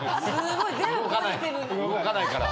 動かないから。